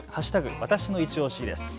わたしのいちオシです。